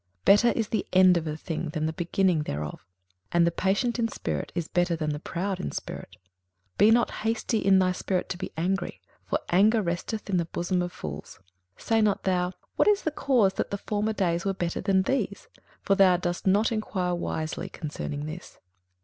21:007:008 Better is the end of a thing than the beginning thereof: and the patient in spirit is better than the proud in spirit. 21:007:009 Be not hasty in thy spirit to be angry: for anger resteth in the bosom of fools. 21:007:010 Say not thou, What is the cause that the former days were better than these? for thou dost not enquire wisely concerning this.